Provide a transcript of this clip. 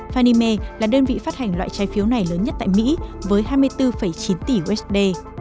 fanni mae là đơn vị phát hành loại trái phiếu này lớn nhất tại mỹ với hai mươi bốn chín tỷ usd